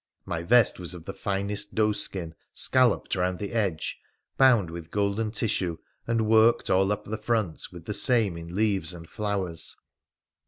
My vest was of the finest doeskin, scalloped round the edge, bound with golden tissue, and worked all up the front with the same in leaves and flowers.